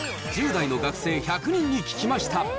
１０代の学生１００人に聞きました。